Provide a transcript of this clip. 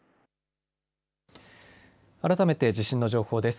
改めて地震の情報です。